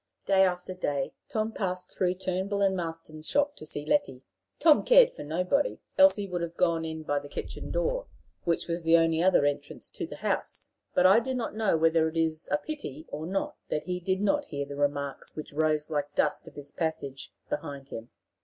Day after day Tom passed through Turnbull and Marston's shop to see Letty. Tom cared for nobody, else he would have gone in by the kitchen door, which was the only other entrance to the house; but I do not know whether it is a pity or not that he did not hear the remarks which rose like the dust of his passage behind him.